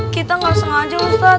kita gak sengaja ustaz